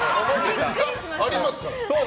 ありますから。